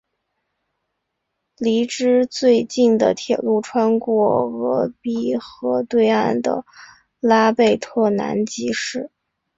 离之最近的铁路穿过鄂毕河对岸的拉贝特南吉市。